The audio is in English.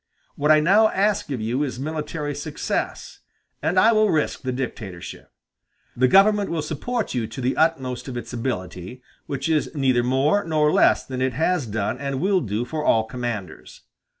What I now ask of you is military success, and I will risk the dictatorship. The government will support you to the utmost of its ability, which is neither more nor less than it has done and will do for all commanders.